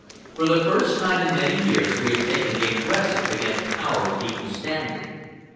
"For the first time in many years we have taken the aggressive against Powers of equal standing.